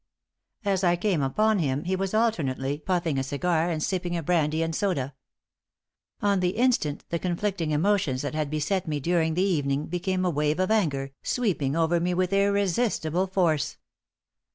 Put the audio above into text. As I came upon him he was alternately puffing a cigar and sipping a brandy and soda. On the instant the conflicting emotions that had beset me during the evening became a wave of anger, sweeping over me with irresistible force.